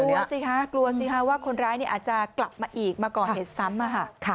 กลัวสิคะกลัวสิคะว่าคนร้ายเนี้ยอาจจะกลับมาอีกมาก่อนเห็นซ้ำอ่ะค่ะ